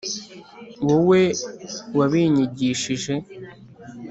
wowe wabinyigish ije »